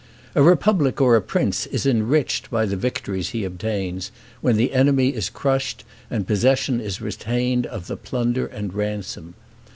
A republic or a prince is enriched by the victories he obtains, when the enemy is crushed and possession is retained of the plunder and ransom.